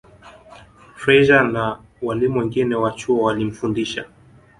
Fraser na walimu wengine wa chuo walimfundisha